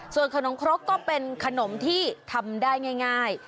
ส่วนขนมครกก็เป็นขนมที่ทำได้ง่าย